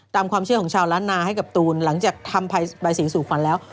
ตามความเชื่อของชาวล้านนาให้กับตูนหลังจากทำใบสีสู่ขวัญแล้ว